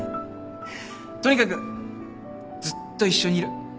とにかくずっと一緒にいる。